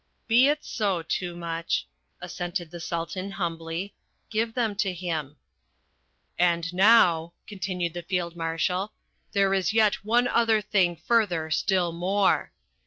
"Be it so, Toomuch," assented the Sultan humbly. "Give them to him." "And now," continued the Field Marshal, "there is yet one other thing further still more."